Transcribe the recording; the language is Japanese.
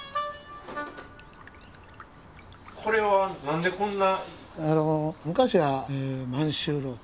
これはなんでこんな？